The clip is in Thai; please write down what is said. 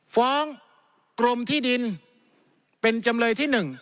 ฟ้องกรมที่ดินเป็นจำเลยที่๑